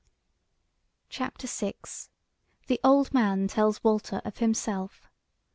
CHAPTER VI: THE OLD MAN TELLS WALTER OF HIMSELF.